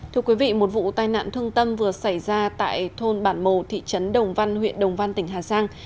thưa quý vị một vụ tai nạn thương tâm vừa xảy ra tại thôn bản mồ thị trấn đồng văn huyện đồng văn tỉnh hà giang